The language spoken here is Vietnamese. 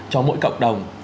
cho mỗi cộng đồng